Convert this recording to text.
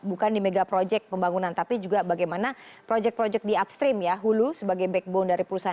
bukan di mega proyek pembangunan tapi juga bagaimana proyek proyek di upstream ya hulu sebagai backbone dari perusahaan